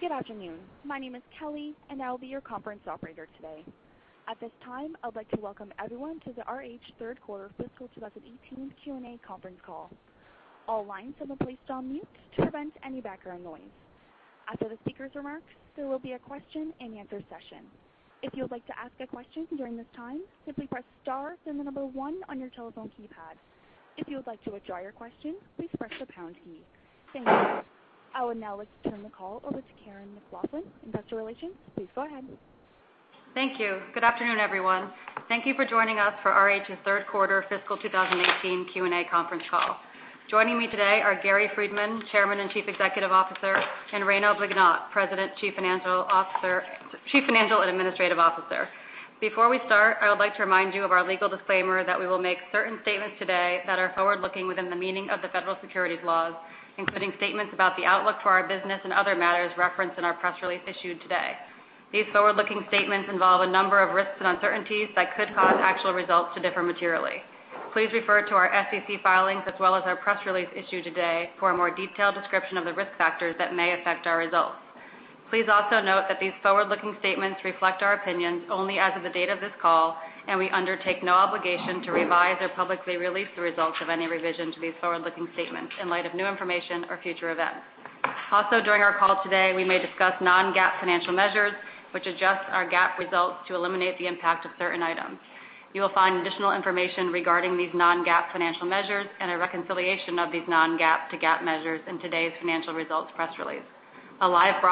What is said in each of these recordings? Good afternoon. My name is Kelly, and I'll be your conference operator today. At this time, I would like to welcome everyone to the RH third quarter fiscal 2018 Q&A conference call. All lines have been placed on mute to prevent any background noise. After the speaker's remarks, there will be a question-and-answer session. If you would like to ask a question during this time, simply press star, then the number one on your telephone keypad. If you would like to withdraw your question, please press the pound key. Thank you. I would now like to turn the call over to Cammeron McLaughlin, Investor Relations. Please go ahead. Thank you. Good afternoon, everyone. Thank you for joining us for RH's third quarter fiscal 2018 Q&A conference call. Joining me today are Gary Friedman, Chairman and Chief Executive Officer, and Ryno Bignotti, President, Chief Financial and Administrative Officer. Before we start, I would like to remind you of our legal disclaimer that we will make certain statements today that are forward-looking within the meaning of the federal securities laws, including statements about the outlook for our business and other matters referenced in our press release issued today. These forward-looking statements involve a number of risks and uncertainties that could cause actual results to differ materially. Please refer to our SEC filings as well as our press release issued today for a more detailed description of the risk factors that may affect our results. Please also note that these forward-looking statements reflect our opinions only as of the date of this call, and we undertake no obligation to revise or publicly release the results of any revision to these forward-looking statements in light of new information or future events. Also, during our call today, we may discuss non-GAAP financial measures, which adjust our GAAP results to eliminate the impact of certain items. You will find additional information regarding these non-GAAP financial measures and a reconciliation of these non-GAAP to GAAP measures in today's financial results press release. A live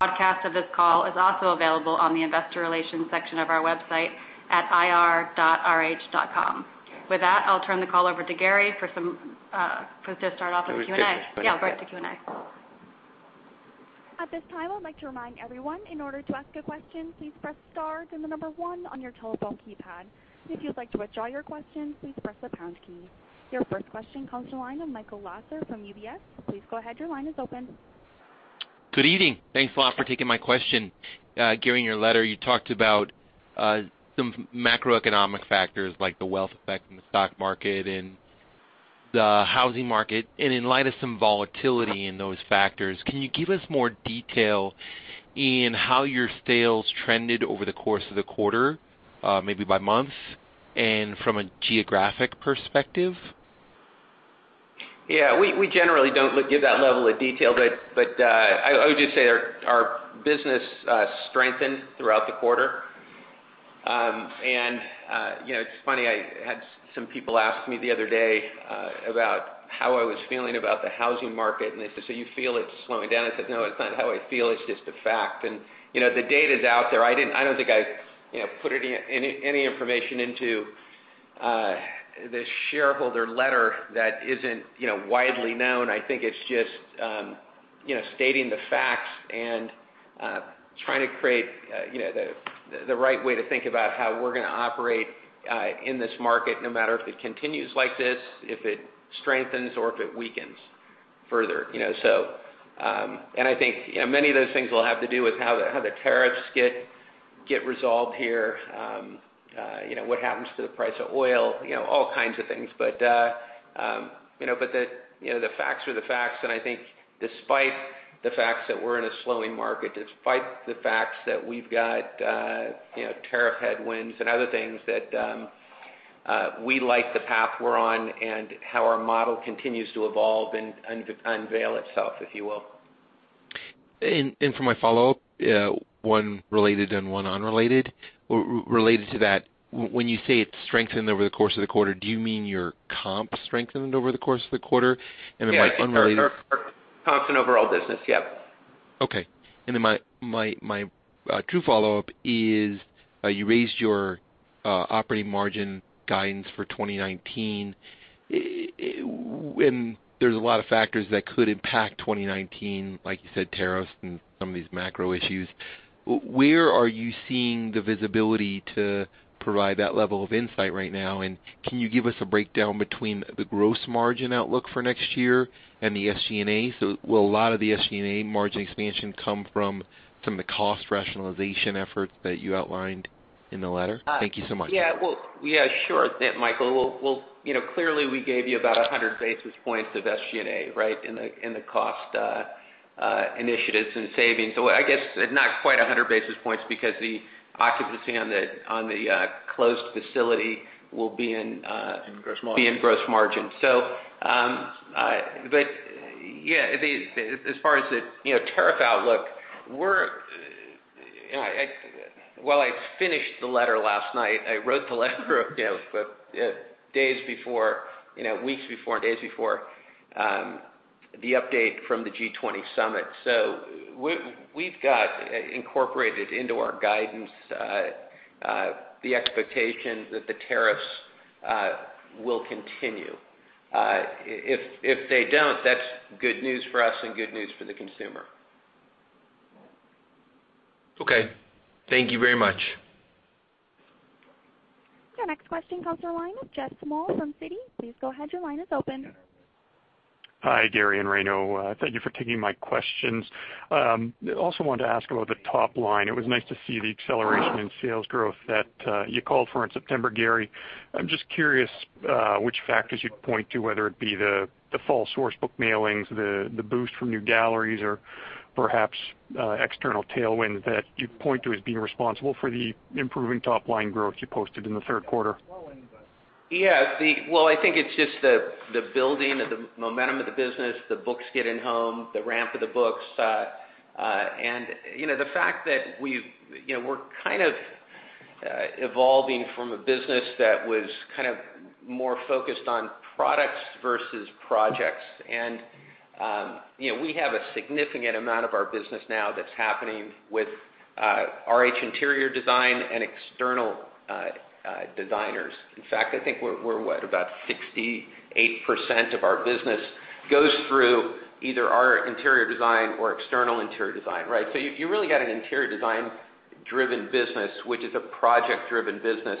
broadcast of this call is also available on the investor relations section of our website at ir.rh.com. With that, I'll turn the call over to Gary to start off the Q&A. At this time, I would like to remind everyone, in order to ask a question, please press star, then the number one on your telephone keypad. If you would like to withdraw your question, please press the pound key. Your first question comes from the line of Michael Lasser from UBS. Please go ahead. Your line is open. Good evening. Thanks a lot for taking my question. Gary, in your letter, you talked about some macroeconomic factors like the wealth effect in the stock market and the housing market. In light of some volatility in those factors, can you give us more detail in how your sales trended over the course of the quarter, maybe by month and from a geographic perspective? Yeah, we generally don't give that level of detail, I would just say our business strengthened throughout the quarter. It's funny, I had some people ask me the other day about how I was feeling about the housing market, and they said, "You feel it's slowing down?" I said, "No, it's not how I feel. It's just a fact." The data's out there. I don't think I put any information into the shareholder letter that isn't widely known. I think it's just stating the facts and trying to create the right way to think about how we're going to operate in this market, no matter if it continues like this, if it strengthens, or if it weakens further. I think many of those things will have to do with how the tariffs get resolved here, what happens to the price of oil, all kinds of things. The facts are the facts, and I think despite the facts that we're in a slowing market, despite the facts that we've got tariff headwinds and other things, that we like the path we're on and how our model continues to evolve and unveil itself, if you will. For my follow-up, one related and one unrelated. Related to that, when you say it strengthened over the course of the quarter, do you mean your comp strengthened over the course of the quarter? Yeah, I think our comps and overall business. Yep. Okay. My true follow-up is you raised your operating margin guidance for 2019. There's a lot of factors that could impact 2019, like you said, tariffs and some of these macro issues. Where are you seeing the visibility to provide that level of insight right now? Can you give us a breakdown between the gross margin outlook for next year and the SG&A? Will a lot of the SG&A margin expansion come from some of the cost rationalization efforts that you outlined in the letter? Thank you so much. Yeah. Sure. Michael, clearly we gave you about 100 basis points of SG&A in the cost initiatives and savings. I guess not quite 100 basis points because the occupancy on the closed facility will be in- In gross margin. Yeah, as far as the tariff outlook, while I finished the letter last night, I wrote the letter weeks before and days before the update from the G20 summit. We've got incorporated into our guidance the expectation that the tariffs will continue. If they don't, that's good news for us and good news for the consumer. Okay. Thank you very much. Your next question comes from the line of Steven Zaccone from Citi. Please go ahead. Your line is open. Hi, Gary and Ryno. Thank you for taking my questions. Also wanted to ask about the top-line. It was nice to see the acceleration in sales growth that you called for in September, Gary. I'm just curious which factors you'd point to, whether it be the fall source book mailings, the boost from new galleries, or perhaps external tailwinds that you point to as being responsible for the improving top-line growth you posted in the third quarter. Well, I think it's just the building of the momentum of the business, the books getting home, the ramp of the books. The fact that we're kind of evolving from a business that was more focused on products versus projects. We have a significant amount of our business now that's happening with RH Interior Design and external designers. In fact, I think we're, what? About 68% of our business goes through either our interior design or external interior design, right? You really got an interior design-driven business, which is a project-driven business,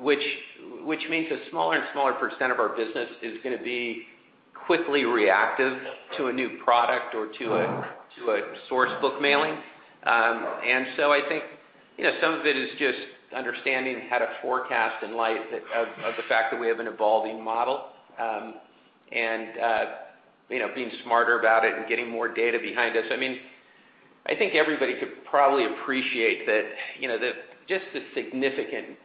which means a smaller and smaller percent of our business is going to be quickly reactive to a new product or to a source book mailing. I think some of it is just understanding how to forecast in light of the fact that we have an evolving model, and being smarter about it and getting more data behind us. I think everybody could probably appreciate that just the significant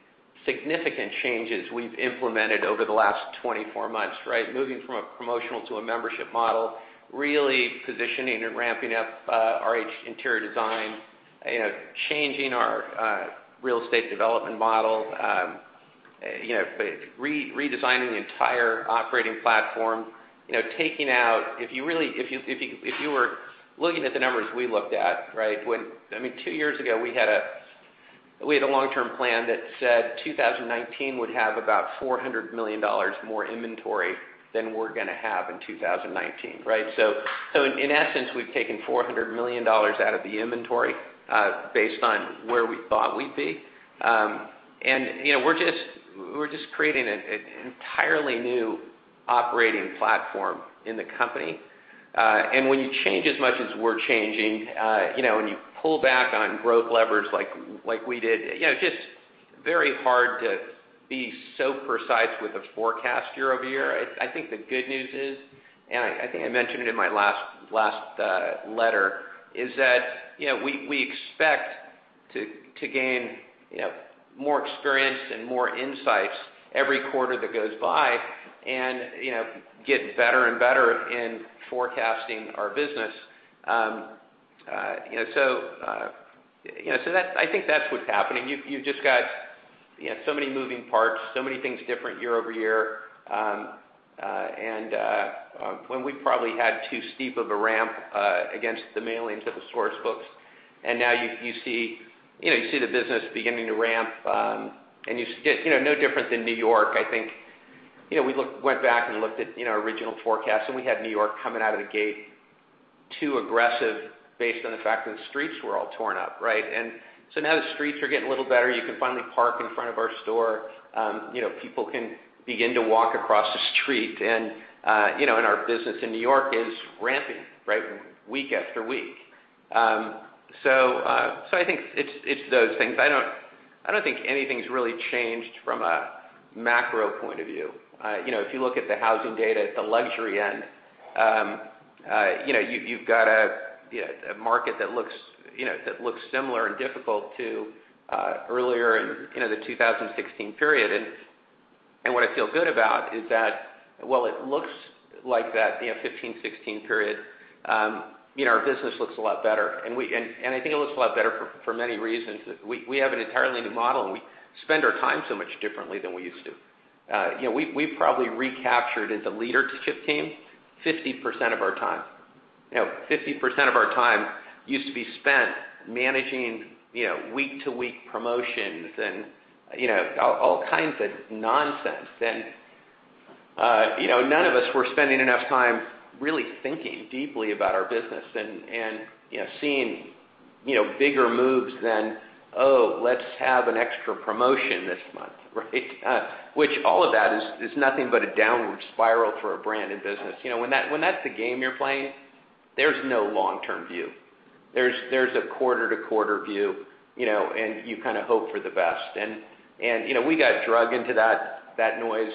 changes we've implemented over the last 24 months, right? Moving from a promotional to a membership model, really positioning and ramping up RH Interior Design, changing our real estate development model, redesigning the entire operating platform. If you were looking at the numbers we looked at, right? Two years ago, we had a long-term plan that said 2019 would have about $400 million more inventory than we're going to have in 2019, right? In essence, we've taken $400 million out of the inventory based on where we thought we'd be. We're just creating an entirely new operating platform in the company. When you change as much as we're changing, when you pull back on growth levers like we did, just very hard to be so precise with a forecast year-over-year. I think the good news is, I think I mentioned it in my last letter, is that we expect to gain more experience and more insights every quarter that goes by and get better and better in forecasting our business. I think that's what's happening. You've just got so many moving parts, so many things different year-over-year, when we probably had too steep of a ramp against the mailings of the source books. Now you see the business beginning to ramp, no different than New York. I think we went back and looked at our original forecast, we had New York coming out of the gate too aggressive based on the fact that the streets were all torn up, right? Now the streets are getting a little better. You can finally park in front of our store. People can begin to walk across the street, our business in New York is ramping, right, week after week. I think it's those things. I don't think anything's really changed from a macro point of view. If you look at the housing data at the luxury end, you've got a market that looks similar and difficult to earlier in the 2016 period. What I feel good about is that while it looks like that 2015, 2016 period, our business looks a lot better, and I think it looks a lot better for many reasons. We have an entirely new model, and we spend our time so much differently than we used to. We've probably recaptured, as a leadership team, 50% of our time. 50% of our time used to be spent managing week-to-week promotions and all kinds of nonsense. None of us were spending enough time really thinking deeply about our business and seeing bigger moves than, "Oh, let's have an extra promotion this month," right? Which all of that is nothing but a downward spiral for a brand and business. When that's the game you're playing, there's no long-term view. There's a quarter-to-quarter view, and you kind of hope for the best. We got drug into that noise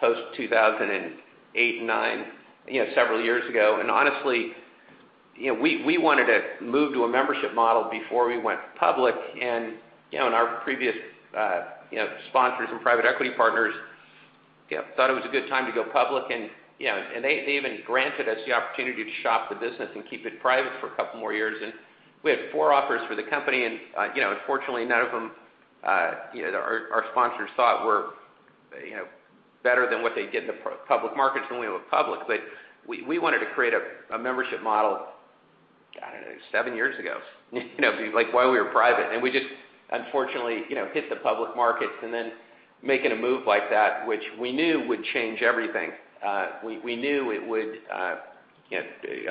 post 2008 and 2009 several years ago. Honestly, we wanted to move to a membership model before we went public, and our previous sponsors and private equity partners thought it was a good time to go public. They even granted us the opportunity to shop the business and keep it private for a couple more years. We had four offers for the company, and unfortunately, none of them, our sponsors thought were better than what they'd get in the public markets when we went public. We wanted to create a membership model, I don't know, seven years ago, while we were private. We just unfortunately hit the public markets and then making a move like that, which we knew would change everything. We knew it would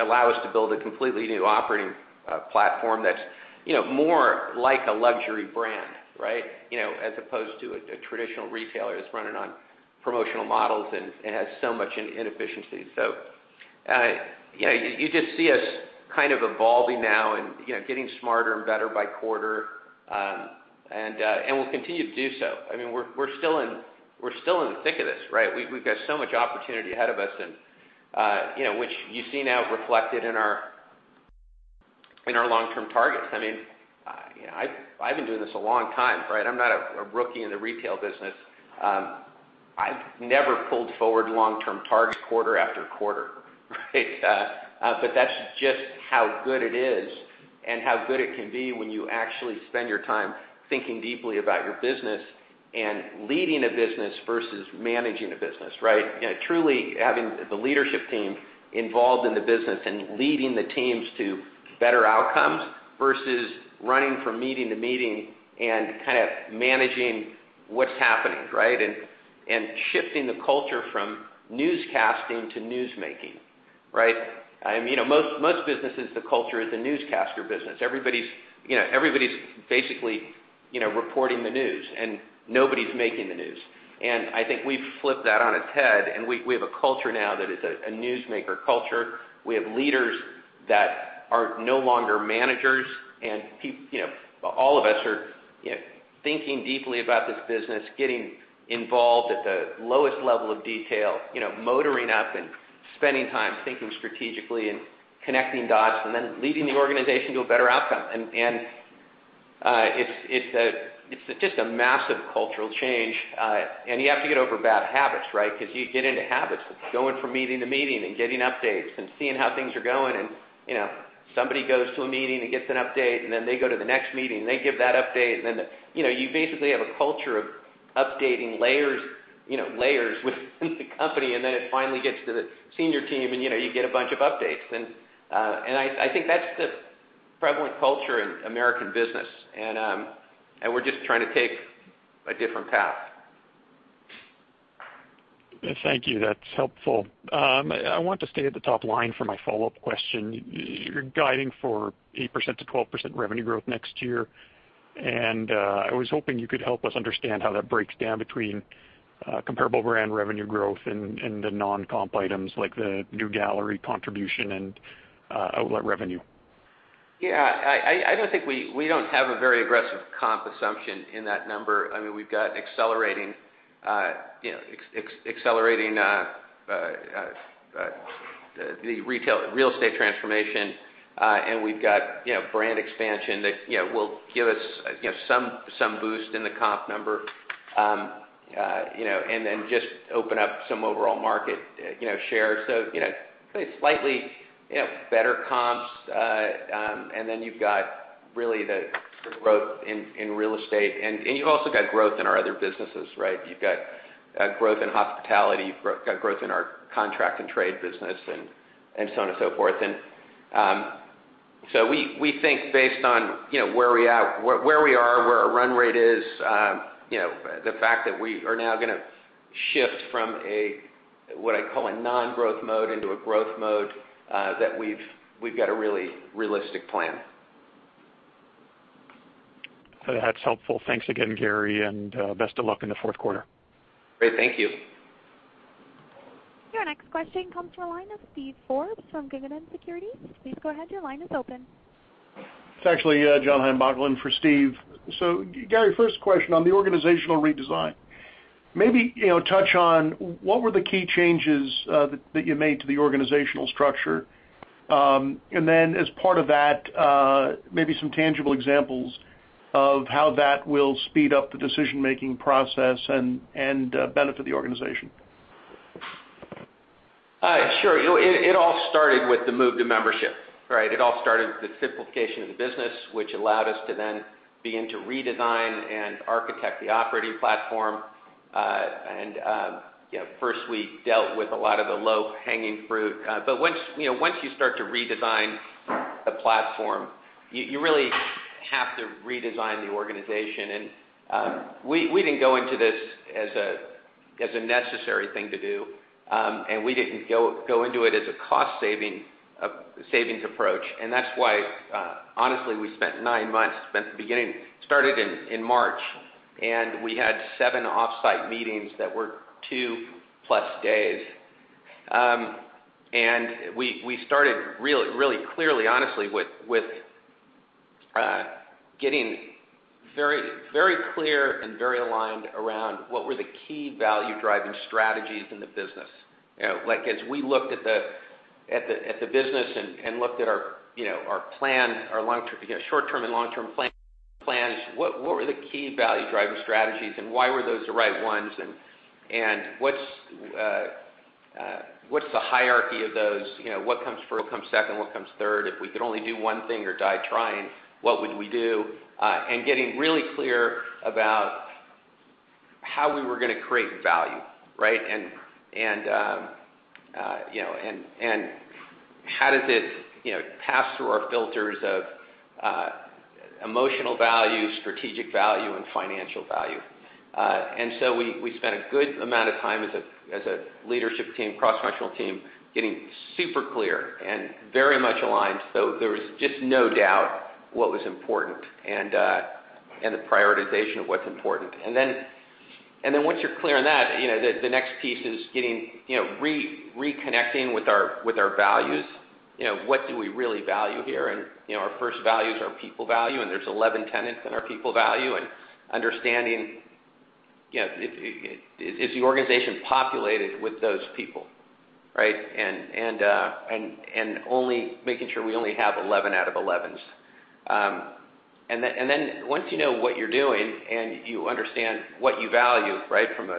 allow us to build a completely new operating platform that's more like a luxury brand, right, as opposed to a traditional retailer that's running on promotional models and has so much inefficiency. You just see us kind of evolving now and getting smarter and better by quarter. We'll continue to do so. We're still in the thick of this, right? We've got so much opportunity ahead of us, which you see now reflected in our long-term targets. I've been doing this a long time, right? I'm not a rookie in the retail business. I've never pulled forward long-term targets quarter after quarter, right? That's just how good it is and how good it can be when you actually spend your time thinking deeply about your business and leading a business versus managing a business, right? Truly having the leadership team involved in the business and leading the teams to better outcomes versus running from meeting to meeting and kind of managing what's happening, right? Shifting the culture from newscasting to news-making, right? Most businesses, the culture is a newscaster business. Everybody's basically reporting the news, and nobody's making the news. I think we've flipped that on its head, and we have a culture now that is a newsmaker culture. We have leaders that are no longer managers, and all of us are thinking deeply about this business, getting involved at the lowest level of detail, motoring up and spending time thinking strategically and connecting dots, and then leading the organization to a better outcome. It's just a massive cultural change. You have to get over bad habits, right? You get into habits of going from meeting to meeting and getting updates and seeing how things are going. Somebody goes to a meeting and gets an update, then they go to the next meeting, and they give that update. Then you basically have a culture of updating layers within the company, then it finally gets to the senior team, and you get a bunch of updates. I think that's the prevalent culture in American business. We're just trying to take a different path. Thank you. That's helpful. I want to stay at the top line for my follow-up question. You're guiding for 8%-12% revenue growth next year, I was hoping you could help us understand how that breaks down between comparable brand revenue growth and the non-comp items like the new gallery contribution and outlet revenue. I don't think we don't have a very aggressive comp assumption in that number. We've got accelerating the real estate transformation, we've got brand expansion that will give us some boost in the comp number then just open up some overall market shares. Slightly better comps, then you've got really the growth in real estate. You've also got growth in our other businesses, right? You've got growth in hospitality. You've got growth in our contract and trade business and so on and so forth. We think based on where we are, where our run rate is, the fact that we are now going to shift from a, what I call a non-growth mode into a growth mode, that we've got a really realistic plan. That's helpful. Thanks again, Gary, best of luck in the fourth quarter. Great. Thank you. Your next question comes from the line of Steven Forbes from Guggenheim Securities. Please go ahead, your line is open. It's actually John Heinbockel line for Steve. Gary, first question on the organizational redesign. Maybe touch on what were the key changes that you made to the organizational structure? As part of that, maybe some tangible examples of how that will speed up the decision-making process and benefit the organization. Sure. It all started with the move to membership, right? It all started with the simplification of the business, which allowed us to then begin to redesign and architect the operating platform. First, we dealt with a lot of the low-hanging fruit. Once you start to redesign the platform, you really have to redesign the organization. We didn't go into this as a necessary thing to do. We didn't go into it as a cost savings approach. That's why honestly, we spent nine months, Started in March, and we had seven off-site meetings that were two-plus days. We started really clearly, honestly, with getting very clear and very aligned around what were the key value-driving strategies in the business. As we looked at the business and looked at our short-term and long-term plans, what were the key value-driving strategies and why were those the right ones and what's the hierarchy of those? What comes first, what comes second, what comes third? If we could only do one thing or die trying, what would we do? Getting really clear about how we were going to create value, right? How does it pass through our filters of emotional value, strategic value, and financial value. We spent a good amount of time as a leadership team, cross-functional team, getting super clear and very much aligned so there was just no doubt what was important and the prioritization of what's important. Once you're clear on that, the next piece is reconnecting with our values. What do we really value here? Our first value is our people value, there's 11 tenets in our people value, understanding if the organization's populated with those people. Right? Making sure we only have 11 out of 11. Once you know what you're doing and you understand what you value from.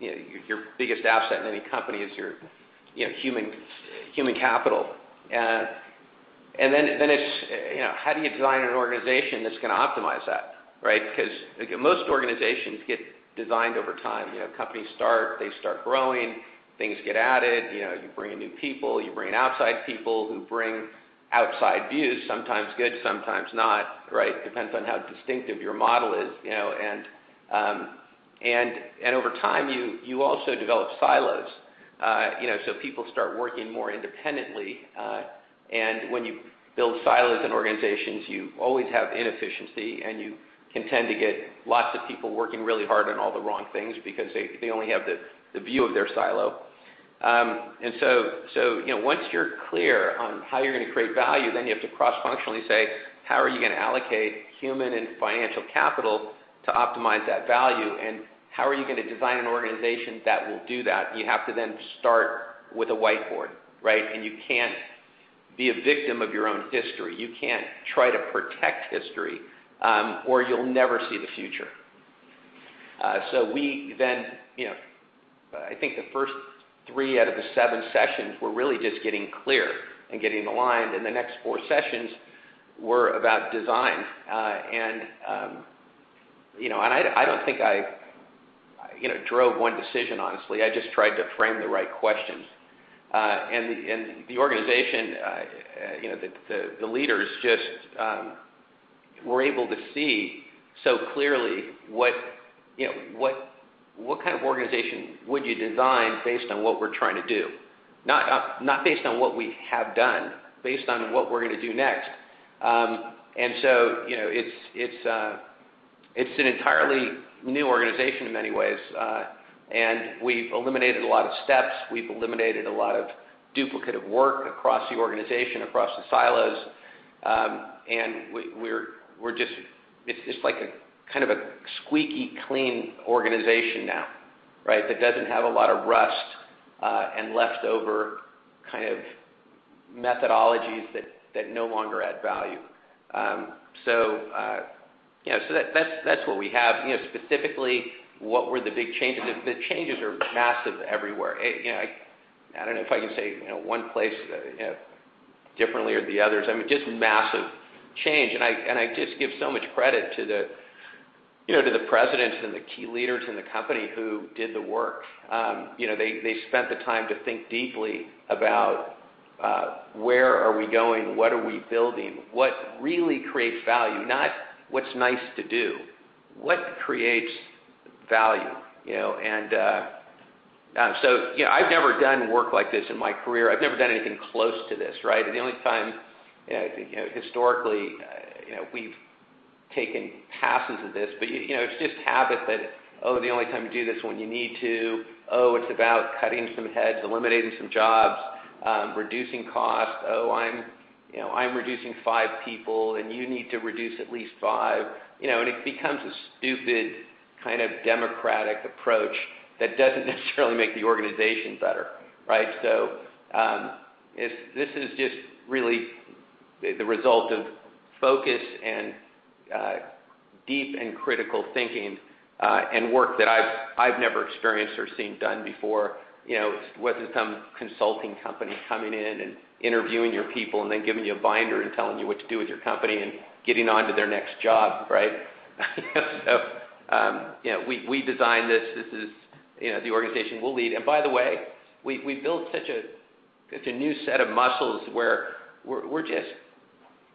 Your biggest asset in any company is your human capital. How do you design an organization that's going to optimize that, right? Because most organizations get designed over time. Companies start, they start growing, things get added, you bring in new people, you bring in outside people who bring outside views, sometimes good, sometimes not. Right? Depends on how distinctive your model is. Over time, you also develop silos. People start working more independently, when you build silos in organizations, you always have inefficiency, you can tend to get lots of people working really hard on all the wrong things because they only have the view of their silo. Once you're clear on how you're going to create value, then you have to cross-functionally say, how are you going to allocate human and financial capital to optimize that value? How are you going to design an organization that will do that? You have to then start with a whiteboard, right? You can't be a victim of your own history. You can't try to protect history, or you'll never see the future. We then, I think the first three out of the 7 sessions were really just getting clear and getting aligned, the next four sessions were about design. I don't think I drove one decision, honestly. I just tried to frame the right questions. The organization, the leaders just were able to see so clearly what kind of organization would you design based on what we're trying to do. Not based on what we have done, based on what we're going to do next. It's an entirely new organization in many ways. We've eliminated a lot of steps, we've eliminated a lot of duplicative work across the organization, across the silos. It's like a squeaky clean organization now that doesn't have a lot of rust, leftover methodologies that no longer add value. That's what we have. Specifically, what were the big changes? The changes are massive everywhere. I don't know if I can say one place differently or the others. Just massive change. I just give so much credit to the presidents and the key leaders in the company who did the work. They spent the time to think deeply about where are we going, what are we building, what really creates value, not what's nice to do. What creates value? I've never done work like this in my career. I've never done anything close to this, right? The only time historically we've taken passes of this, but it's just habit that, oh, the only time you do this is when you need to. Oh, it's about cutting some heads, eliminating some jobs, reducing costs. Oh, I'm reducing five people, and you need to reduce at least five. It becomes a stupid, kind of democratic approach that doesn't necessarily make the organization better, right? This is just really the result of focus and deep and critical thinking, and work that I've never experienced or seen done before. It wasn't some consulting company coming in and interviewing your people and then giving you a binder and telling you what to do with your company and getting on to their next job, right? We designed this. This is the organization we'll lead. By the way, we've built such a new set of muscles where we're just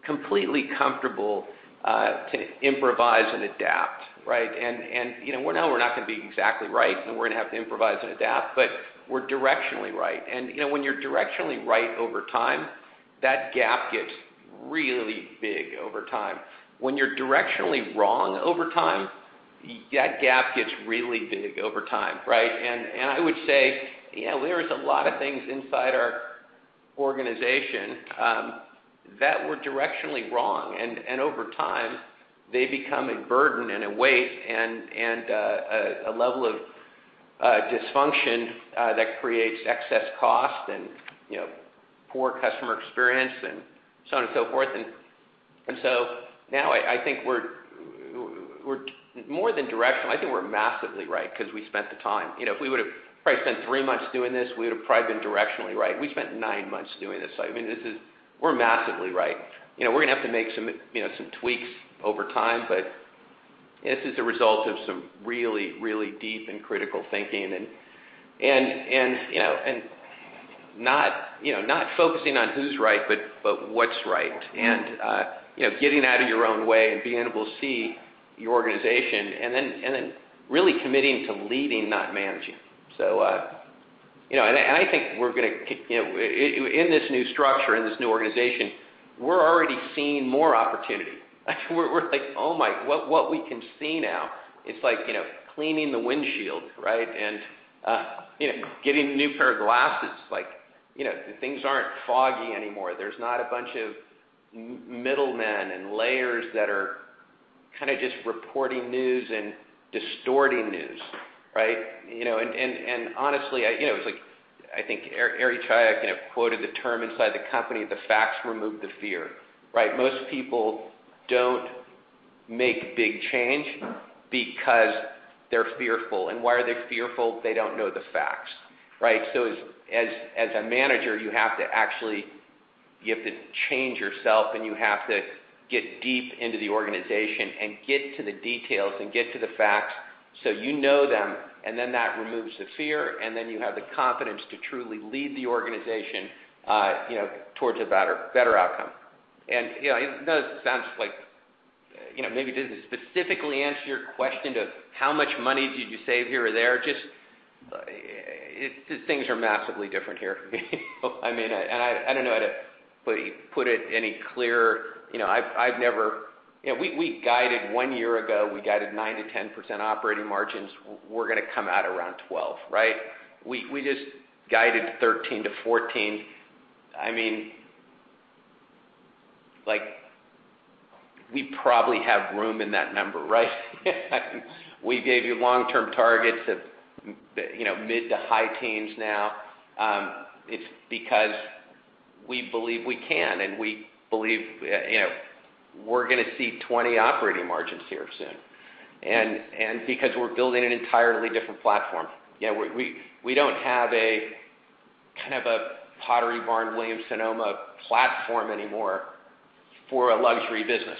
completely comfortable to improvise and adapt, right? Now we're not going to be exactly right and we're going to have to improvise and adapt, but we're directionally right. When you're directionally right over time, that gap gets really big over time. When you're directionally wrong over time, that gap gets really big over time, right? I would say there is a lot of things inside our organization that were directionally wrong, and over time, they become a burden and a weight and a level of dysfunction that creates excess cost and poor customer experience and so on and so forth. Now I think we're more than directional. I think we're massively right because we spent the time. If we would've probably spent three months doing this, we would've probably been directionally right. We spent nine months doing this. We're massively right. We're going to have to make some tweaks over time, but this is a result of some really, really deep and critical thinking and not focusing on who's right, but what's right. Getting out of your own way and being able to see your organization, and then really committing to leading, not managing. I think in this new structure, in this new organization, we're already seeing more opportunity. We're like, "Oh my, what we can see now." It's like cleaning the windshield, right? Getting a new pair of glasses. Things aren't foggy anymore. There's not a bunch of middlemen and layers that are kind of just reporting news and distorting news. Right? Honestly, I think Er Chawla quoted the term inside the company, "The facts remove the fear." Right? Most people don't make big change because they're fearful. Why are they fearful? They don't know the facts, right? As a manager, you have to change yourself, you have to get deep into the organization, get to the details, get to the facts so you know them. That removes the fear, you have the confidence to truly lead the organization towards a better outcome. It doesn't specifically answer your question of how much money did you save here or there, just things are massively different here for me. I don't know how to put it any clearer. One year ago, we guided 9%-10% operating margins. We're going to come out around 12%. We just guided 13%-14%. We probably have room in that number, right? We gave you long-term targets of mid to high teens now. It's because we believe we can, we believe we're going to see 20% operating margins here soon. Because we're building an entirely different platform. We don't have a kind of a Pottery Barn, Williams-Sonoma platform anymore for a luxury business.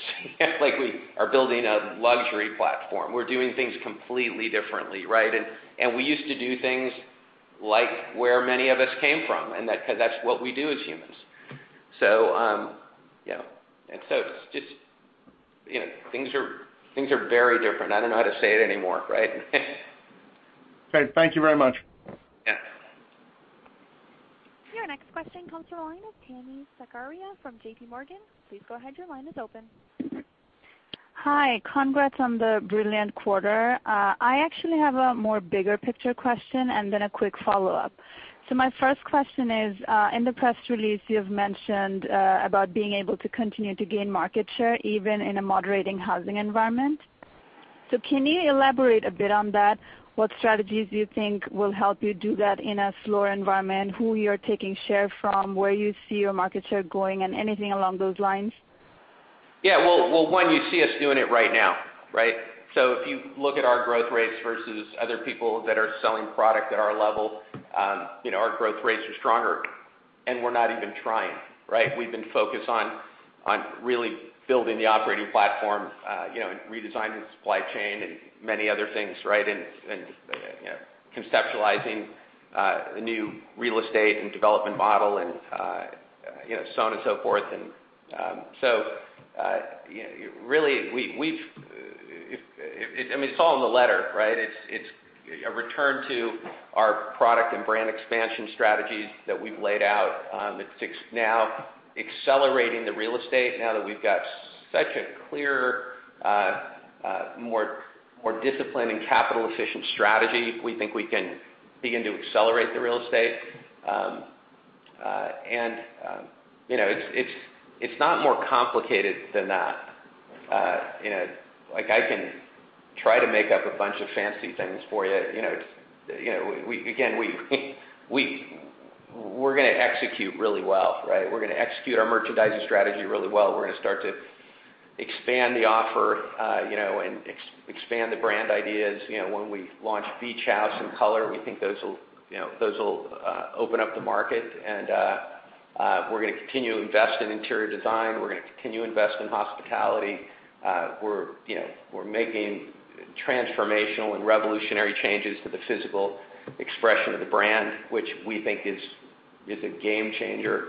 We are building a luxury platform. We're doing things completely differently, right? We used to do things like where many of us came from, that's what we do as humans. Things are very different. I don't know how to say it anymore, right? Okay. Thank you very much. Yeah. Your next question comes from the line of Tami Zakaria from J.P. Morgan. Please go ahead. Your line is open. Hi. Congrats on the brilliant quarter. I actually have a more bigger picture question and then a quick follow-up. My first question is, in the press release, you've mentioned about being able to continue to gain market share even in a moderating housing environment. Can you elaborate a bit on that? What strategies do you think will help you do that in a slower environment, who you're taking share from, where you see your market share going, and anything along those lines? One, you see us doing it right now, right? If you look at our growth rates versus other people that are selling product at our level, our growth rates are stronger, and we're not even trying, right? We've been focused on really building the operating platform, and redesigning the supply chain and many other things, right? Conceptualizing a new real estate and development model and so on and so forth. It's all in the letter, right? It's a return to our product and brand expansion strategies that we've laid out. It's now accelerating the real estate now that we've got such a clear, more disciplined and capital-efficient strategy. We think we can begin to accelerate the real estate. It's not more complicated than that. I can try to make up a bunch of fancy things for you. We're going to execute really well, right? We're going to execute our merchandising strategy really well. We're going to start to expand the offer and expand the brand ideas. When we launch Beach House and Color, we think those will open up the market, and we're going to continue to invest in interior design. We're going to continue to invest in hospitality. We're making transformational and revolutionary changes to the physical expression of the brand, which we think is a game changer.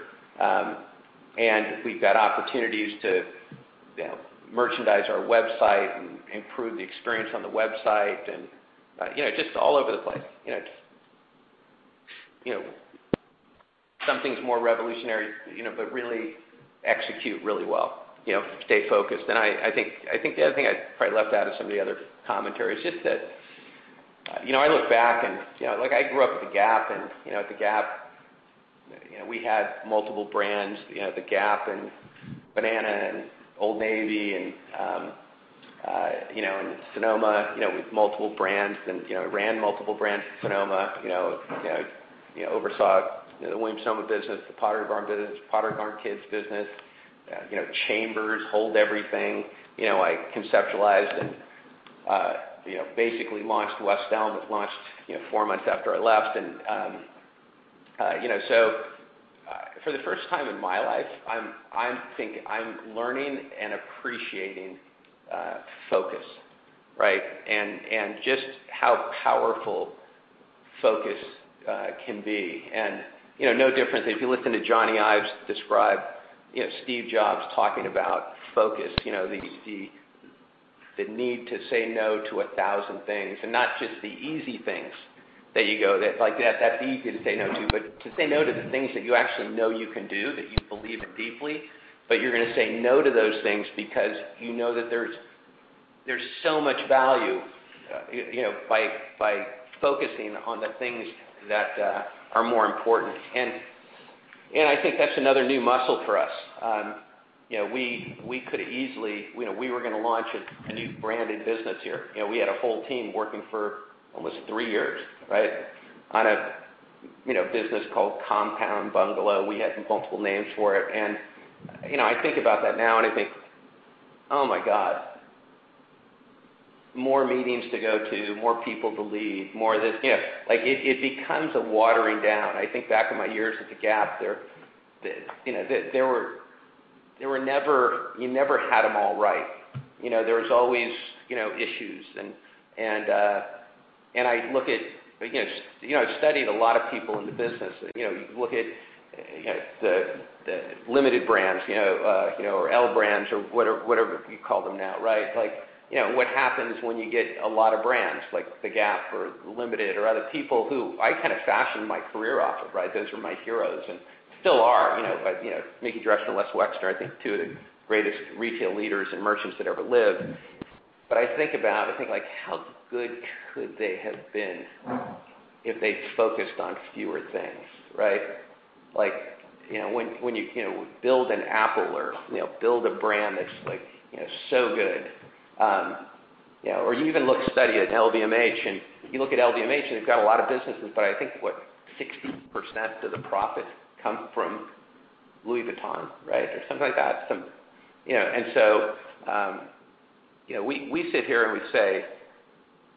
We've got opportunities to merchandise our website and improve the experience on the website and just all over the place. Some things more revolutionary, really execute really well. Stay focused. I think the other thing I probably left out of some of the other commentary is just that I look back and I grew up at The Gap. At The Gap, we had multiple brands, The Gap and Banana and Old Navy and Sonoma with multiple brands and ran multiple brands at Sonoma. Oversaw the Williams-Sonoma business, the Pottery Barn business, Pottery Barn Kids business, Chambers, Hold Everything. I conceptualized and basically launched West Elm. It launched four months after I left. For the first time in my life, I'm learning and appreciating focus, right? Just how powerful focus can be. No different if you listen to Jony Ive describe Steve Jobs talking about focus. The need to say no to a thousand things, and not just the easy things that you go, that'd be easy to say no to. To say no to the things that you actually know you can do, that you believe in deeply, but you're going to say no to those things because you know that there's so much value by focusing on the things that are more important. I think that's another new muscle for us. We were going to launch a new branded business here. We had a whole team working for almost three years, on a business called Compound Bungalow. We had multiple names for it. I think about that now and I think, "Oh my God, more meetings to go to, more people to lead." It becomes a watering down. I think back on my years at The Gap, you never had them all right. There was always issues. I've studied a lot of people in the business. Limited Brands, or L Brands or whatever you call them now. What happens when you get a lot of brands, like The Gap or Limited or other people who I kind of fashioned my career off of. Those were my heroes and still are. Mickey Drexler and Les Wexner are two of the greatest retail leaders and merchants that ever lived. I think about how good could they have been if they'd focused on fewer things. When you build an Apple or build a brand that's so good, or you even study at LVMH. If you look at LVMH, they've got a lot of businesses. I think what, 60% of the profits come from Louis Vuitton. Something like that. We sit here and we say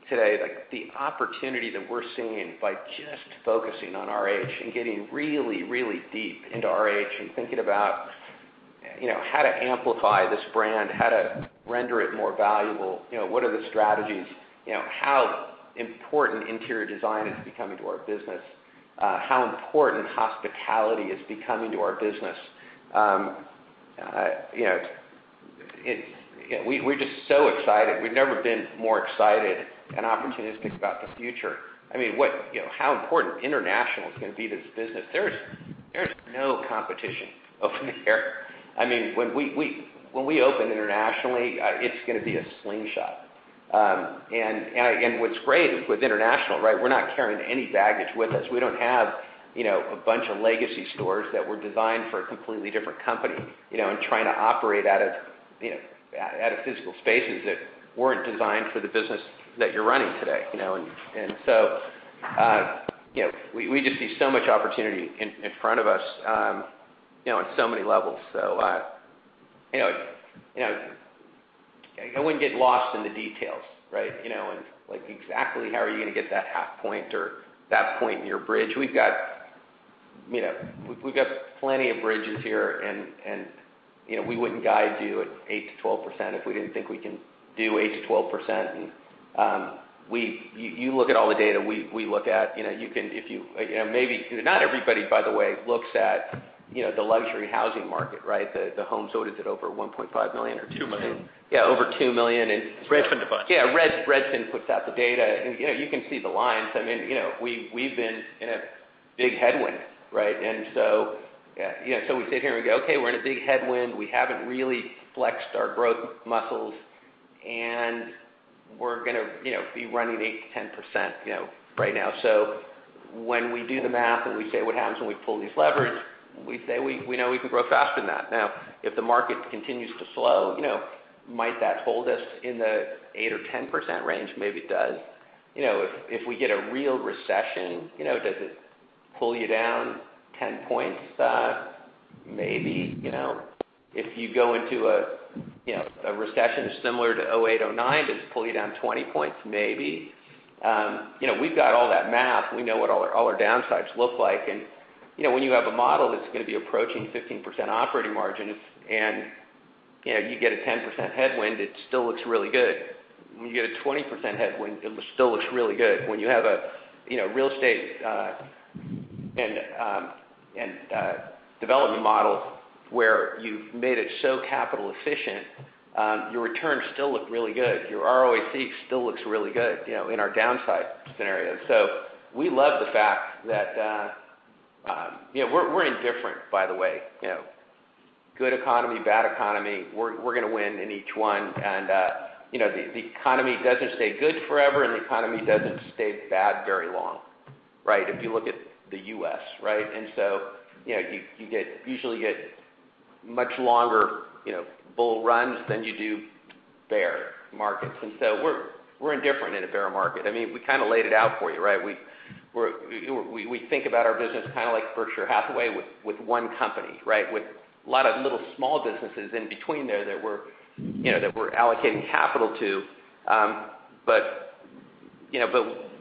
today, the opportunity that we're seeing by just focusing on RH and getting really, really deep into RH and thinking about how to amplify this brand, how to render it more valuable. What are the strategies? How important interior design is becoming to our business. How important hospitality is becoming to our business. We're just so excited. We've never been more excited and opportunistic about the future. How important international is going to be to this business. There's no competition over there. When we open internationally, it's going to be a slingshot. What's great with international, we're not carrying any baggage with us. We don't have a bunch of legacy stores that were designed for a completely different company, and trying to operate out of physical spaces that weren't designed for the business that you're running today. We just see so much opportunity in front of us on so many levels. I wouldn't get lost in the details. Exactly how are you going to get that half point or that point in your bridge. We've got plenty of bridges here, and we wouldn't guide you at 8%-12% if we didn't think we can do 8%-12%. You look at all the data we look at. Not everybody, by the way, looks at the luxury housing market. The homes sold is at over 1.5 million or 2 million, yeah, over 2 million. Redfin puts it. Yeah, Redfin puts out the data, and you can see the lines. We've been in a big headwind. We sit here and we go, "Okay, we're in a big headwind. We haven't really flexed our growth muscles. We're going to be running 8% to 10% right now. When we do the math and we say what happens when we pull these levers, we say we know we can grow faster than that. If the market continues to slow, might that hold us in the 8% or 10% range? Maybe it does. If we get a real recession, does it pull you down 10 points? Maybe. If you go into a recession similar to 2008, 2009, does it pull you down 20 points? Maybe. We've got all that math. We know what all our downsides look like, and when you have a model that's going to be approaching 15% operating margins and you get a 10% headwind, it still looks really good. When you get a 20% headwind, it still looks really good. When you have a real estate and development model where you've made it so capital efficient, your returns still look really good. Your ROAC still looks really good in our downside scenario. We love the fact that we're indifferent, by the way. Good economy, bad economy, we're going to win in each one. The economy doesn't stay good forever, and the economy doesn't stay bad very long. If you look at the U.S. You usually get much longer bull runs than you do bear markets. We're indifferent in a bear market. We kind of laid it out for you. We think about our business like Berkshire Hathaway with one company. With a lot of little small businesses in between there that we're allocating capital to.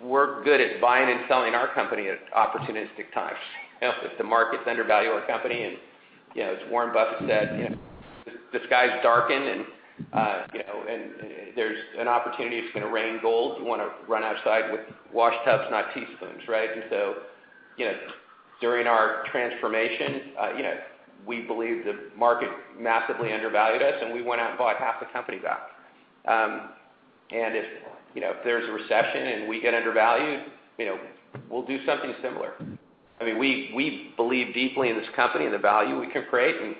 We're good at buying and selling our company at opportunistic times. If the markets undervalue our company and as Warren Buffett said, "The skies darken and there's an opportunity, it's going to rain gold. You want to run outside with washtubs, not teaspoons." During our transformation, we believe the market massively undervalued us, and we went out and bought half the company back. If there's a recession and we get undervalued, we'll do something similar. We believe deeply in this company and the value we can create, and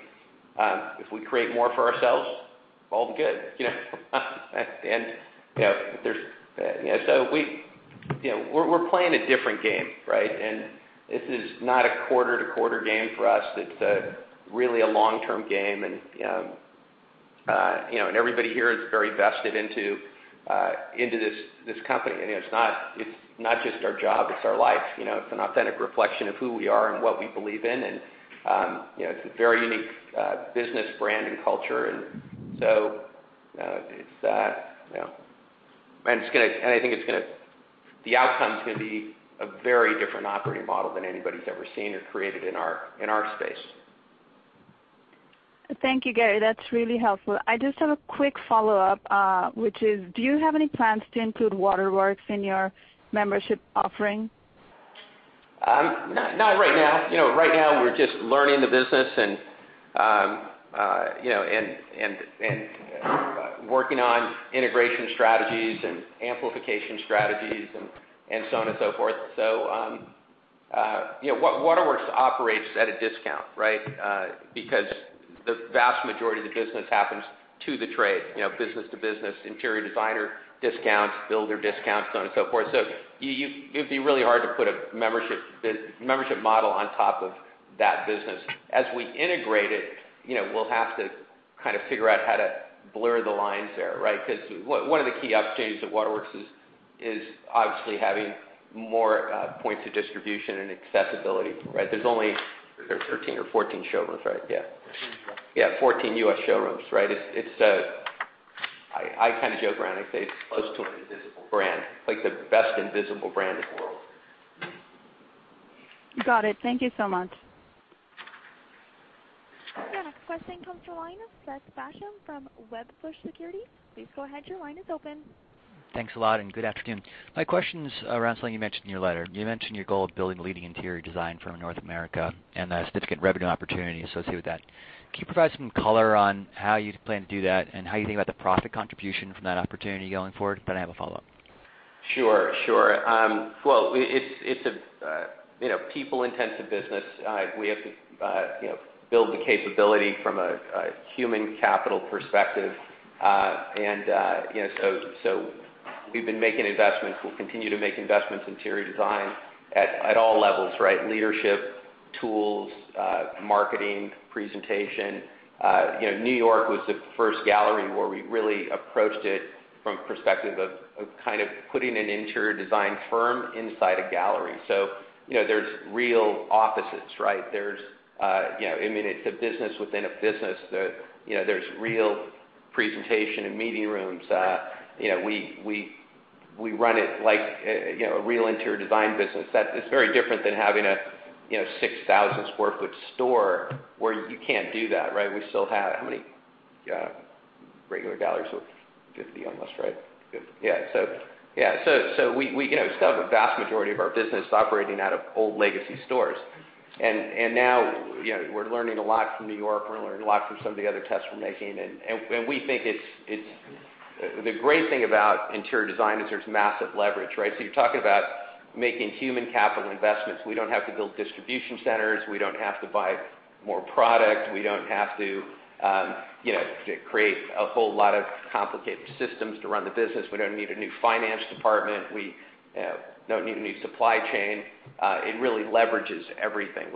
if we create more for ourselves, all the good. We're playing a different game. This is not a quarter-to-quarter game for us. It's really a long-term game, and everybody here is very vested into this company. It's not just our job, it's our life. It's an authentic reflection of who we are and what we believe in, and it's a very unique business brand and culture. I think the outcome's going to be a very different operating model than anybody's ever seen or created in our space. Thank you, Gary. That's really helpful. I just have a quick follow-up, which is, do you have any plans to include Waterworks in your membership offering? Not right now. Right now, we're just learning the business and working on integration strategies and amplification strategies and so on and so forth. Waterworks operates at a discount because the vast majority of the business happens to the trade, business to business, interior designer discounts, builder discounts, so on and so forth. It'd be really hard to put a membership model on top of that business. As we integrate it, we'll have to figure out how to blur the lines there. One of the key upsides of Waterworks is obviously having more points of distribution and accessibility. There's only 13 or 14 showrooms, right? Yeah. 14 U.S. Yeah, 14 U.S. showrooms. I joke around and say it's close to an invisible brand, like the best invisible brand in the world. Got it. Thank you so much. Your next question comes from the line of Seth Basham from Wedbush Securities. Please go ahead. Your line is open. Thanks a lot, good afternoon. My question is around something you mentioned in your letter. You mentioned your goal of building the leading interior design firm in North America and the significant revenue opportunity associated with that. Can you provide some color on how you plan to do that and how you think about the profit contribution from that opportunity going forward? I have a follow-up. Sure. Well, it's a people-intensive business. We have to build the capability from a human capital perspective. We've been making investments. We'll continue to make investments in interior design at all levels: leadership, tools, marketing, presentation. New York was the first gallery where we really approached it from a perspective of putting an interior design firm inside a gallery. There's real offices. It's a business within a business. There's real presentation and meeting rooms. We run it like a real interior design business. That is very different than having a 6,000 square foot store where you can't do that. We still have how many regular galleries? 50 almost, right? Yeah. We still have a vast majority of our business operating out of old legacy stores. Now we're learning a lot from New York. We're learning a lot from some of the other tests we're making. The great thing about interior design is there's massive leverage. You're talking about making human capital investments. We don't have to build distribution centers. We don't have to buy more product. We don't have to create a whole lot of complicated systems to run the business. We don't need a new finance department. We don't need a new supply chain. It really leverages everything.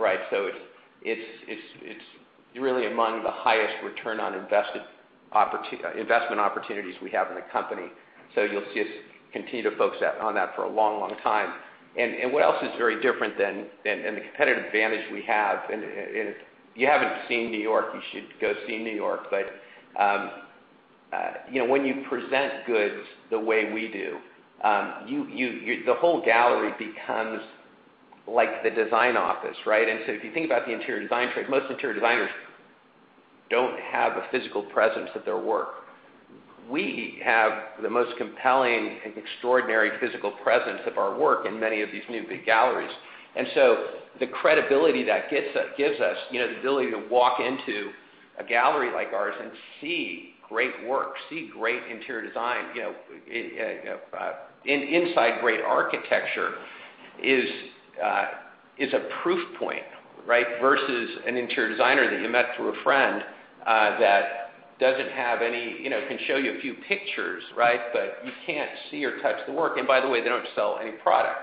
It's really among the highest return on investment opportunities we have in the company. You'll see us continue to focus on that for a long time. What else is very different than the competitive advantage we have, and if you haven't seen New York, you should go see New York, when you present goods the way we do, the whole gallery becomes like the design office. If you think about the interior design trade, most interior designers don't have a physical presence of their work. We have the most compelling and extraordinary physical presence of our work in many of these new big galleries. The credibility that gives us the ability to walk into a gallery like ours and see great work, see great interior design inside great architecture is a proof point, versus an interior designer that you met through a friend who can show you a few pictures, you can't see or touch the work. By the way, they don't sell any product.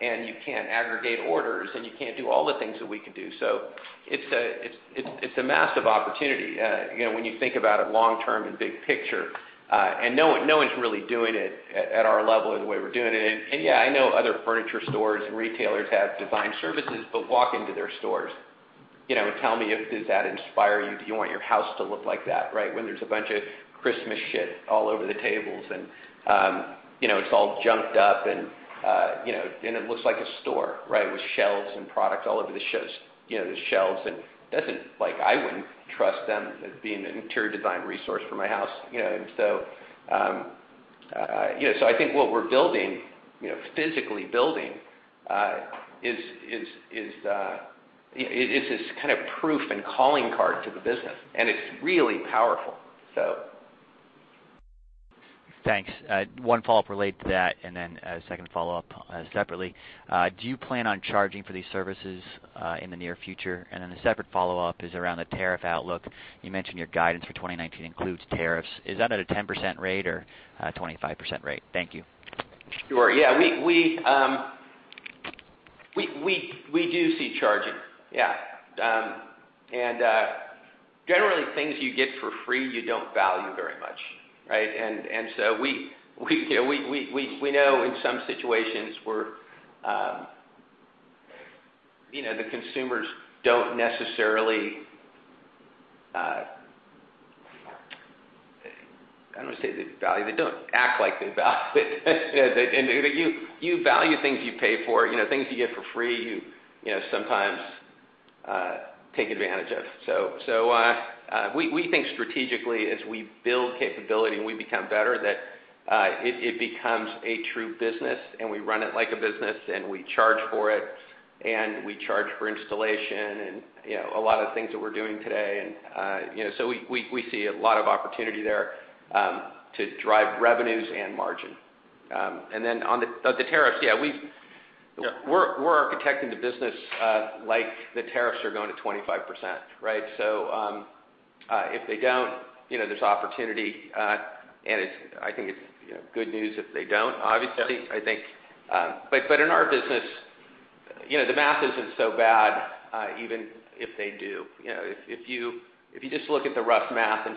You can't aggregate orders, and you can't do all the things that we can do. It's a massive opportunity when you think about it long term and big picture. No one's really doing it at our level or the way we're doing it. Yeah, I know other furniture stores and retailers have design services, walk into their stores. Tell me, does that inspire you? Do you want your house to look like that? When there's a bunch of Christmas things all over the tables and it's all junked up and it looks like a store with shelves and products all over the shelves and I wouldn't trust them as being an interior design resource for my house. I think what we're physically building is this kind of proof and calling card to the business, and it's really powerful. Thanks. One follow-up related to that, and then a second follow-up separately. Do you plan on charging for these services in the near future? The separate follow-up is around the tariff outlook. You mentioned your guidance for 2019 includes tariffs. Is that at a 10% rate or a 25% rate? Thank you. Sure. Yes, we do see charging. Yes. Generally things you get for free, you don't value very much, right? We know in some situations where the consumers don't necessarily, I don't want to say they value, they don't act like they value it. You value things you pay for. Things you get for free, you sometimes take advantage of. We think strategically as we build capability and we become better, that it becomes a true business and we run it like a business, and we charge for it, and we charge for installation and a lot of things that we're doing today. We see a lot of opportunity there, to drive revenues and margin. Then on the tariffs, yes, we're architecting the business like the tariffs are going to 25%, right? If they don't, there's opportunity, and I think it's good news if they don't, obviously. In our business, the math isn't so bad, even if they do. If you just look at the rough math and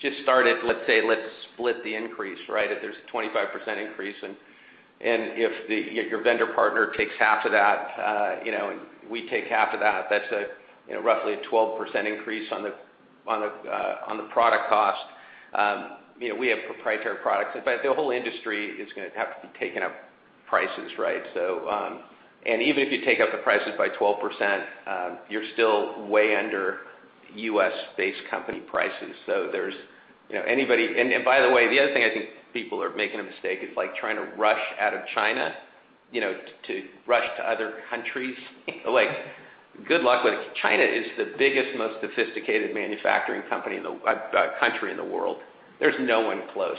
just start at, let's say let's split the increase, right? If there's a 25% increase and if your vendor partner takes half of that, and we take half of that's roughly a 12% increase on the product cost. We have proprietary products, but the whole industry is going to have to be taking up prices, right? Even if you take up the prices by 12%, you're still way under U.S.-based company prices. By the way, the other thing I think people are making a mistake is trying to rush out of China, to rush to other countries. Like good luck with it. China is the biggest, most sophisticated manufacturing country in the world. There's no one close.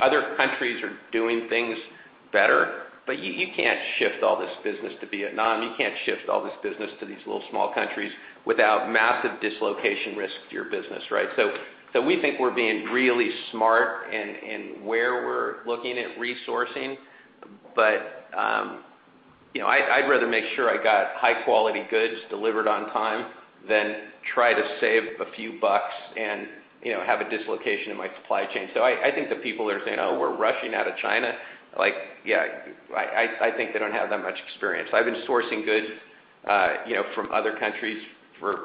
Other countries are doing things better, but you can't shift all this business to Vietnam. You can't shift all this business to these little small countries without massive dislocation risk to your business, right? We think we're being really smart in where we're looking at resourcing. I'd rather make sure I got high-quality goods delivered on time than try to save a few bucks and have a dislocation in my supply chain. I think the people that are saying, "Oh, we're rushing out of China," I think they don't have that much experience. I've been sourcing goods from other countries for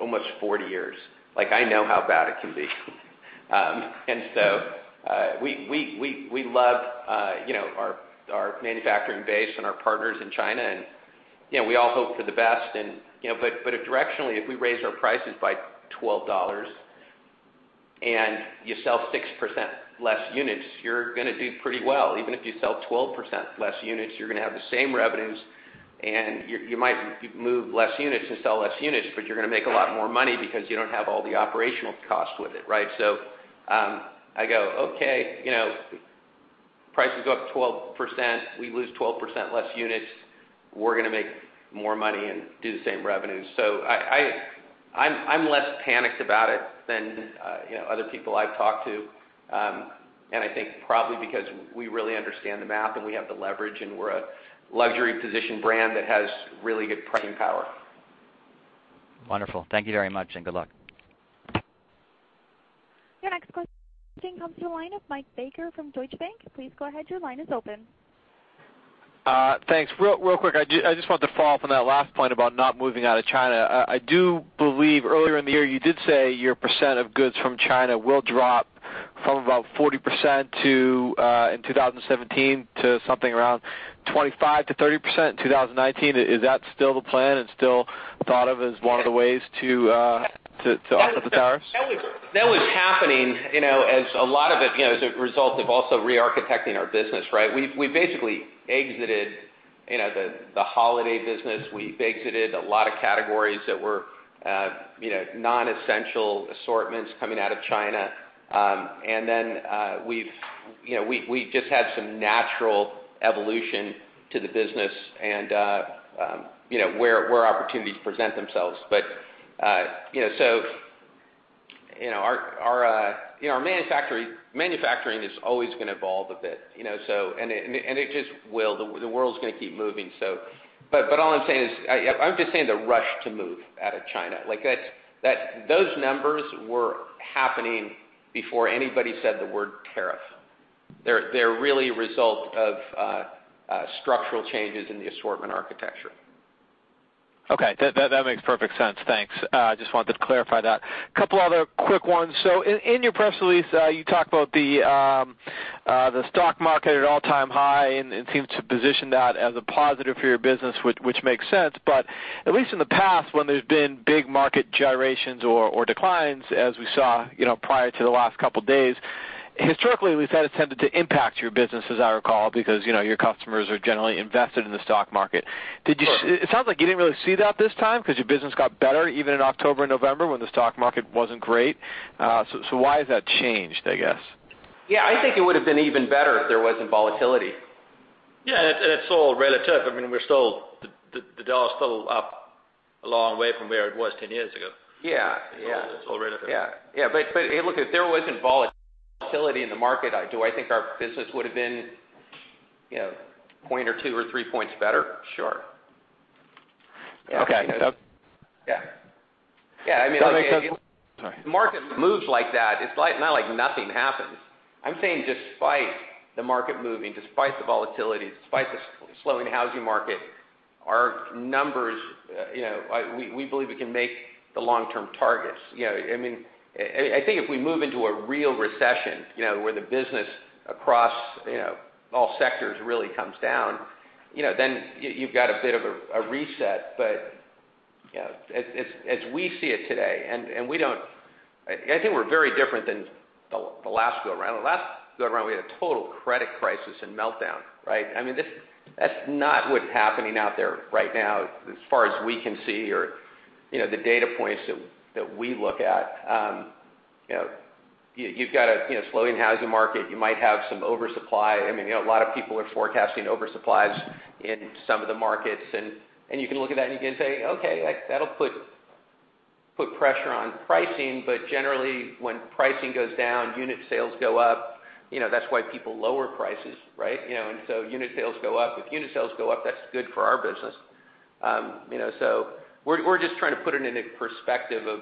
almost 40 years. I know how bad it can be. We love our manufacturing base and our partners in China, and we all hope for the best. Directionally, if we raise our prices by $12 and you sell 6% less units, you're going to do pretty well. Even if you sell 12% less units, you're going to have the same revenues, and you might move less units and sell less units, but you're going to make a lot more money because you don't have all the operational costs with it, right? I go, "Okay, prices go up 12%, we lose 12% less units. We're going to make more money and do the same revenue." I'm less panicked about it than other people I've talked to. I think probably because we really understand the math and we have the leverage, and we're a luxury position brand that has really good pricing power. Wonderful. Thank you very much, and good luck. Your next question comes from the line of Michael Baker from Deutsche Bank. Please go ahead, your line is open. Thanks. Real quick, I just wanted to follow up on that last point about not moving out of China. I do believe earlier in the year, you did say your percent of goods from China will drop from about 40% in 2017 to something around 25%-30% in 2019. Is that still the plan and still thought of as one of the ways to offset the tariffs? That was happening as a lot of it, as a result of also re-architecting our business, right? We basically exited the holiday business. We exited a lot of categories that were non-essential assortments coming out of China. Then we've just had some natural evolution to the business and where opportunities present themselves. Our manufacturing is always going to evolve a bit. It just will. The world's going to keep moving. All I'm saying is, I'm just saying the rush to move out of China, those numbers were happening before anybody said the word tariff. They're really a result of structural changes in the assortment architecture. Okay. That makes perfect sense. Thanks. I just wanted to clarify that. Couple other quick ones. In your press release, you talked about The stock market at an all-time high, and seems to position that as a positive for your business, which makes sense. But at least in the past, when there's been big market gyrations or declines, as we saw prior to the last couple of days, historically, we've had it tended to impact your business, as I recall, because your customers are generally invested in the stock market. Sure. It sounds like you didn't really see that this time because your business got better even in October and November when the stock market wasn't great. Why has that changed, I guess? I think it would have been even better if there wasn't volatility. It's all relative. I mean, the dollar is still up a long way from where it was 10 years ago. Yeah. It's all relative. Hey, look, if there wasn't volatility in the market, do I think our business would have been a point or two or three points better? Sure. Okay. Yeah. That makes sense. Sorry. The market moves like that, it's not like nothing happens. I'm saying despite the market moving, despite the volatility, despite the slowing housing market, our numbers, we believe we can make the long-term targets. I think if we move into a real recession, where the business across all sectors really comes down, then you've got a bit of a reset. As we see it today, and I think we're very different than the last go around. The last go around, we had a total credit crisis and meltdown, right? I mean, that's not what's happening out there right now as far as we can see or the data points that we look at. You've got a slowing housing market. You might have some oversupply. I mean, a lot of people are forecasting oversupplies in some of the markets, and you can look at that and you can say, "Okay, that'll put pressure on pricing." Generally, when pricing goes down, unit sales go up. That's why people lower prices, right? Unit sales go up. If unit sales go up, that's good for our business. We're just trying to put it into perspective of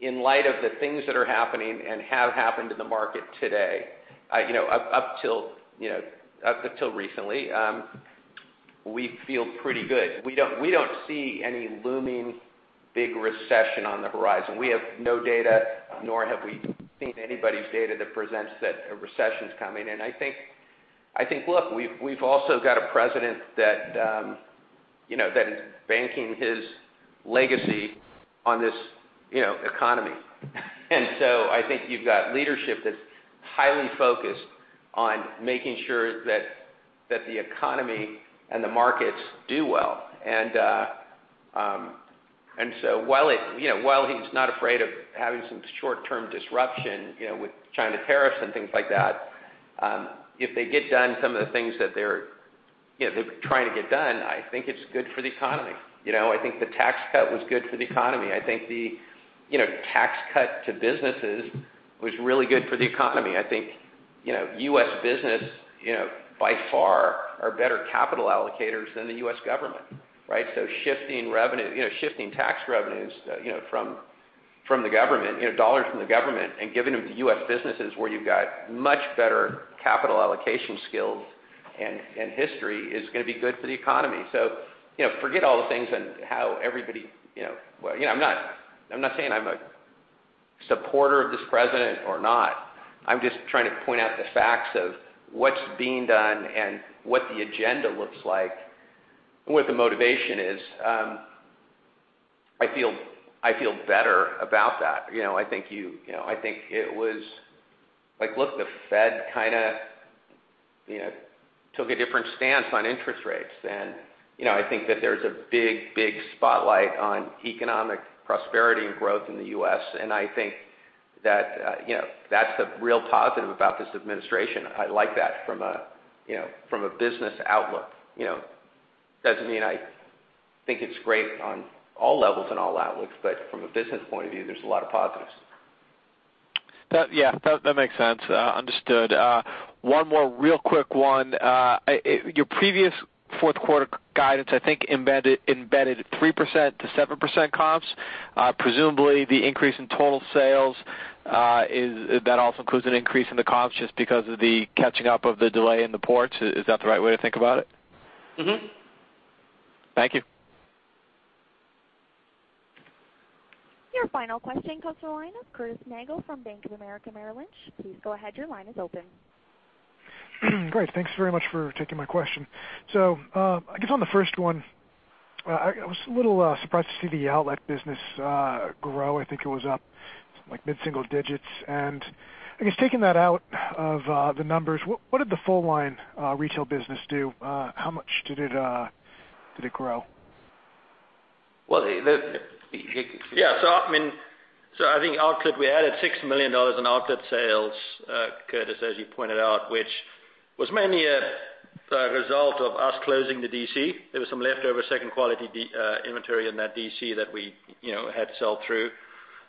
in light of the things that are happening and have happened in the market today, up until recently, we feel pretty good. We don't see any looming big recession on the horizon. We have no data, nor have we seen anybody's data that presents that a recession's coming. I think, look, we've also got a president that is banking his legacy on this economy. I think you've got leadership that's highly focused on making sure that the economy and the markets do well. While he's not afraid of having some short-term disruption, with China tariffs and things like that, if they get done some of the things that they're trying to get done, I think it's good for the economy. I think the tax cut was good for the economy. I think the tax cut to businesses was really good for the economy. I think U.S. business, by far, are better capital allocators than the U.S. government, right? Shifting tax revenues from the government, dollars from the government, and giving them to U.S. businesses where you've got much better capital allocation skills and history is going to be good for the economy. Forget all the things and how everybody. I'm not saying I'm a supporter of this president or not. I'm just trying to point out the facts of what's being done and what the agenda looks like and what the motivation is. I feel better about that. Look, the Fed kind of took a different stance on interest rates. I think that there's a big spotlight on economic prosperity and growth in the U.S., and I think that's the real positive about this administration. I like that from a business outlook. Doesn't mean I think it's great on all levels and all outlooks, but from a business point of view, there's a lot of positives. Yeah, that makes sense. Understood. One more real quick one. Your previous fourth quarter guidance, I think embedded 3%-7% comps. Presumably, the increase in total sales, that also includes an increase in the comps just because of the catching up of the delay in the ports. Is that the right way to think about it? Thank you. Your final question comes from the line of Curtis Nagle from Bank of America Merrill Lynch. Please go ahead, your line is open. Great. Thanks very much for taking my question. I guess on the first one, I was a little surprised to see the outlet business grow. I think it was up like mid-single digits. I guess taking that out of the numbers, what did the full line retail business do? How much did it grow? Yeah. I think outlet, we added $6 million in outlet sales, Curtis, as you pointed out, which was mainly a result of us closing the DC. There was some leftover second-quality inventory in that DC that we had to sell through.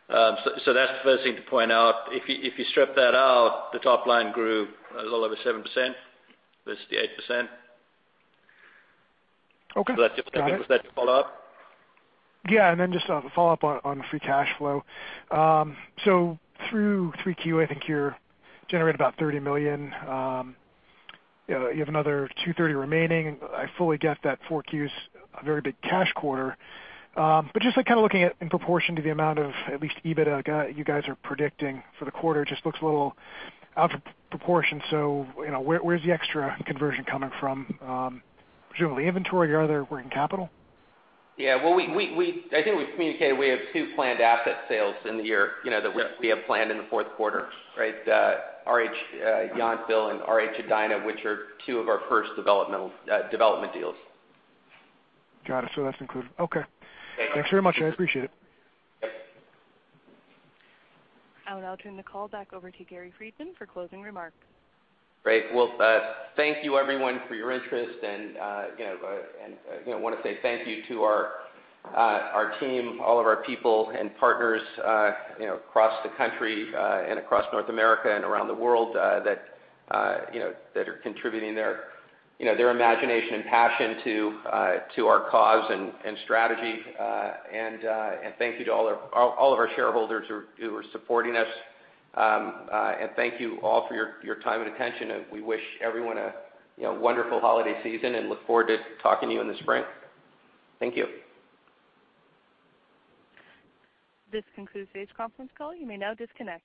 That's the first thing to point out. If you strip that out, the top line grew a little over 7%, versus the 8%. Okay. Got it. Was that your follow-up? Just a follow-up on free cash flow. Through 3Q, I think you generated about $30 million. You have another $230 million remaining. I fully get that 4Q's a very big cash quarter. Just kind of looking at in proportion to the amount of at least EBITDA you guys are predicting for the quarter, it just looks a little out of proportion. Where's the extra conversion coming from? Presumably inventory or other working capital? I think we've communicated we have two planned asset sales in the year- Yeah that we have planned in the fourth quarter, right? RH Yountville and RH Edina, which are two of our first development deals. Got it. That's included. Okay. Thanks very much. I appreciate it. I will now turn the call back over to Gary Friedman for closing remarks. Great. Thank you everyone for your interest, and I want to say thank you to our team, all of our people and partners across the country and across North America and around the world that are contributing their imagination and passion to our cause and strategy. Thank you to all of our shareholders who are supporting us. Thank you all for your time and attention, and we wish everyone a wonderful holiday season and look forward to talking to you in the spring. Thank you. This concludes today's conference call. You may now disconnect.